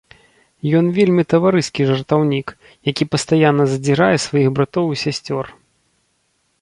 Ён вельмі таварыскі жартаўнік, які пастаянна задзірае сваіх братоў і сясцёр.